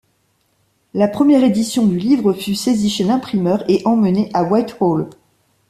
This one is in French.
La première édition du livre fut saisie chez l'imprimeur et emmenée à Whitehall.